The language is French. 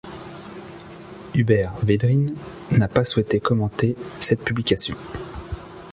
Hubert Védrine n'a pas souhaité commenter cette publication.